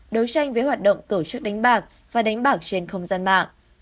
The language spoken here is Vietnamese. đấu tranh với hoạt động tổ chức đánh bạc và đánh bạc trên không gian mạng